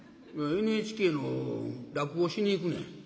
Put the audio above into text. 「ＮＨＫの落語しに行くねん」。